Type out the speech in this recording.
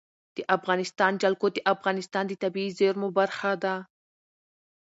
د افغانستان جلکو د افغانستان د طبیعي زیرمو برخه ده.